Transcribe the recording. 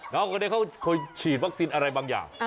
แล้วก็เลยเขาฉีดวัคซีนอะไรบางอย่าง